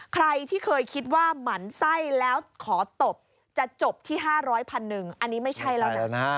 ใครที่เคยคิดว่าหมั่นไส้แล้วขอตบจะจบที่๕๐๐พันหนึ่งอันนี้ไม่ใช่แล้วนะ